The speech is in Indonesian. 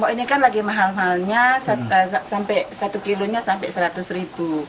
ini kan lagi mahal mahalnya satu kilonya sampai rp seratus